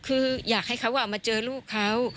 คืออยากให้เขามาเจอลูกเขา